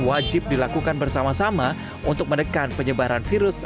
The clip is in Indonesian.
wajib dilakukan bersama sama untuk menekan penyebaran virus